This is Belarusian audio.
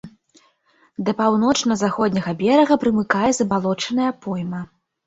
Да паўночна-заходняга берага прымыкае забалочаная пойма.